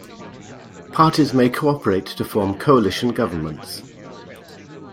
Parties may cooperate to form coalition governments.